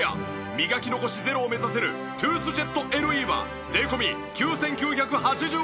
磨き残しゼロを目指せるトゥースジェットＬＥは税込９９８０円。